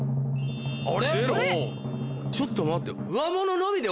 あれ⁉ちょっと待って。